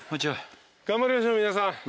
頑張りましょう皆さん。